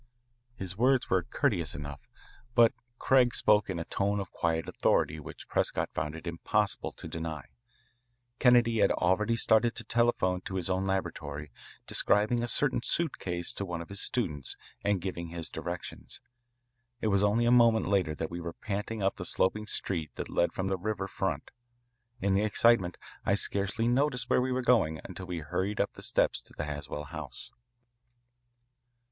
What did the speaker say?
His words were courteous enough, but Craig spoke in a tone of quiet authority which Prescott found it impossible to deny. Kennedy had already started to telephone to his own laboratory, describing a certain suitcase to one of his students and giving his directions. It was only a moment later that we were panting up the sloping street that led from the river front. In the excitement I scarcely noticed where we were going until we hurried up the steps to the Haswell house.